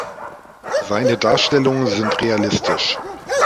Seine Darstellungen sind realistisch.